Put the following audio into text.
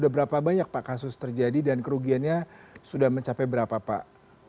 berapa banyak pak kasus terjadi dan kerugiannya sudah mencapai berapa pak